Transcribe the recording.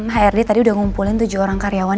hrd tadi udah ngumpulin tujuh orang karyawan